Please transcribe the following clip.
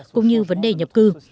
cũng như vấn đề nhập cư